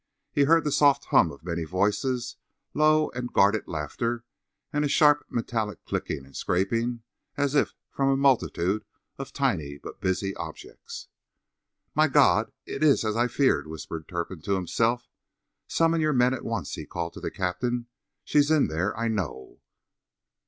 He heard the soft hum of many voices, low and guarded laughter, and a sharp, metallic clicking and scraping as if from a multitude of tiny but busy objects. "My God! It is as I feared!" whispered Turpin to himself. "Summon your men at once!" he called to the captain. "She is in there, I know."